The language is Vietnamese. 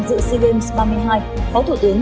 dự sea games ba mươi hai phó thủ tướng